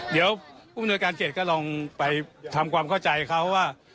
เดี๋ยวผู้มนวยการเขตก็ลองไปทำความเข้าใจเขาว่า